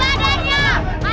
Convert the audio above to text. pak ini bonekanya pak